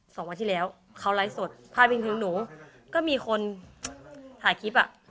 สองวันที่แล้วเขาไลฟ์สดพาดพิงถึงหนูก็มีคนถ่ายคลิปอ่ะ